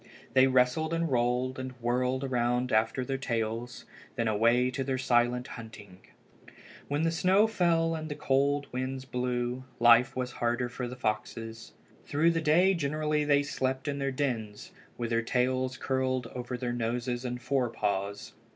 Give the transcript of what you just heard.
They wrestled and rolled and whirled around after their tails. Then away to their silent hunting! When the snow fell and the cold winds blew life was harder for the foxes. Through the day generally they slept in their dens, with their tails curled over their noses and fore paws.